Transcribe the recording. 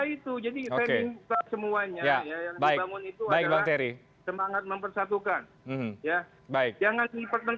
pak jokowi itu partai politik bukan yang lain